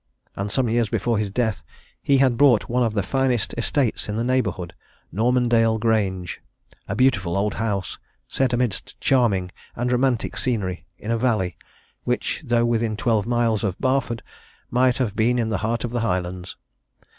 And some years before his death, he had bought one of the finest estates in the neighbourhood, Normandale Grange, a beautiful old house, set amidst charming and romantic scenery in a valley, which, though within twelve miles of Barford, might have been in the heart of the Highlands.